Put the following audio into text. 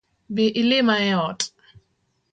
Bi ilima e ot